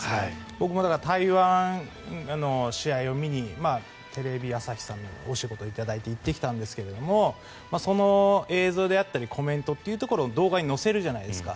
僕も台湾の試合を見にテレビ朝日さんのお仕事を頂いて行ってきたんですがその映像であったりコメントというところを動画に載せるじゃないですか。